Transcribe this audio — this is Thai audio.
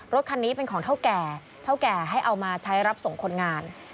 รถคันนี้เป็นของเท่าแก่เท่าแก่ให้เอามาใช้รับส่งคนงาน